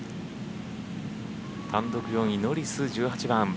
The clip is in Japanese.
単独４位ノリス、１８番。